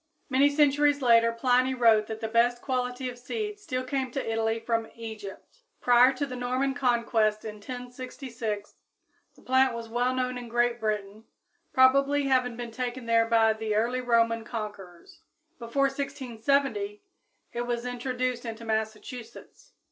Many centuries later Pliny wrote that the best quality of seed still came to Italy from Egypt. Prior to the Norman conquest in 1066, the plant was well known in Great Britain, probably having been taken there by the early Roman conquerors. Before 1670 it was introduced into Massachusetts.